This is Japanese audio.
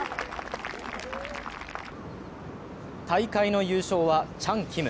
大会の優勝は、チャン・キム。